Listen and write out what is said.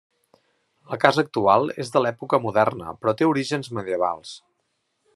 La casa actual és de l'època moderna però té orígens medievals.